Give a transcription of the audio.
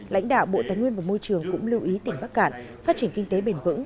lãnh đạo bộ tài nguyên và môi trường cũng lưu ý tỉnh bắc cạn phát triển kinh tế bền vững